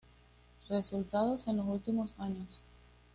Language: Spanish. Resultados de los últimos años.